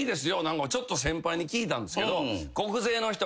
ちょっと先輩に聞いたんですけど。